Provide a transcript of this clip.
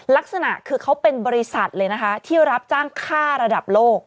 ลักษณะคือเขาเป็นบริษัทเลยนะคะที่รับจ้างค่าระดับโลก